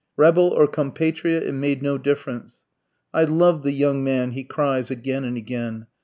Rebel or compatriot, it made no difference. "I loved the young man," he cries again and again.